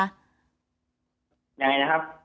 ยังไงนะครับ